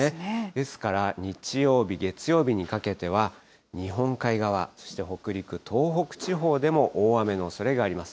ですから日曜日、月曜日にかけては、日本海側、そして北陸、東北地方でも大雨のおそれがあります。